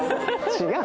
違う？